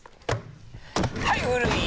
はい古い！